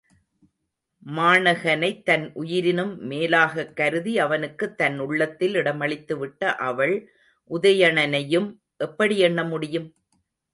மாணகனைத் தன் உயிரினும் மேலாகக் கருதி அவனுக்குத் தன் உள்ளத்தில் இடமளித்துவிட்ட அவள் உதயணனையும் எப்படி எண்ண முடியும்?